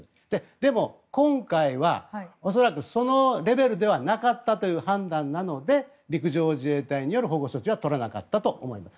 でも、今回は恐らくそのレベルではなかったという判断なので陸上自衛隊による保護措置は取らなかったと思います。